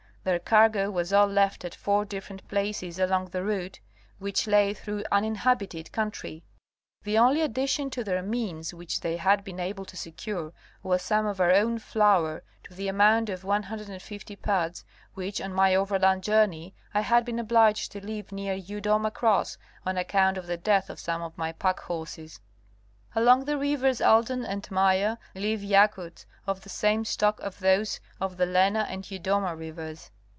Their cargo was all left at four different places along the route, which lay through uninhabited country. The only addition to their means which they had been able to secure, was some of our own flour, to the amount of 150 puds, which on my overland journey I had been obliged to leave near Yudoma Cross on account of the death of some of my pack horses. Along the rivers Aldan and Maia live Yakuts of the same stock as those of the Lena and Yudoma rivers.